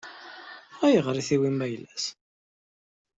Ayɣer i tewwim ayla-s?